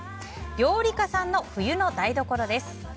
料理家さんの冬の台所です。